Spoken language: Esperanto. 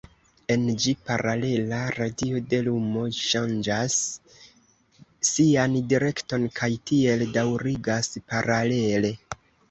En ĝi, paralela radio de lumo ŝanĝas sian direkton kaj tiel daŭrigas paralele.